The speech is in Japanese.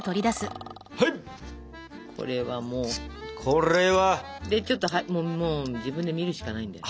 これは！でちょっともう自分で見るしかないんだよね。